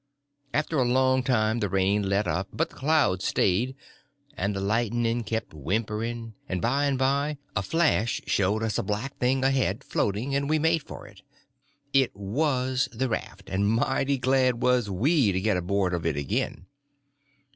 After a long time the rain let up, but the clouds stayed, and the lightning kept whimpering, and by and by a flash showed us a black thing ahead, floating, and we made for it. It was the raft, and mighty glad was we to get aboard of it again.